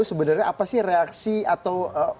sebenarnya apa sih reaksi atau